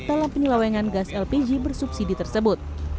dalam penyelewengan gas lpg bersubsidi tersebut